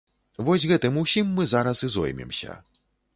Вось гэтым усім мы зараз і зоймемся.